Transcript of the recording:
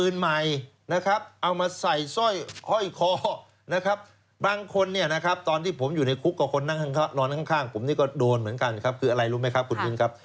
นอนข้างผมนี่ก็โดนเหมือนกันครับคืออะไรรู้ไหมครับคุณวินครับ